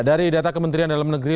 dari data kementerian dalam negeri